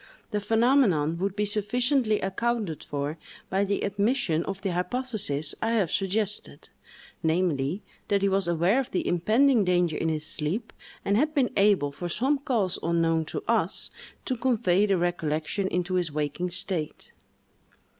The phenomenon would be sufficiently accounted for by the admission of the hypothesis I have suggested, namely, that he was aware of the impending danger in his sleep, and had been able, from some cause unknown to us, to convey the recollection into his waking state.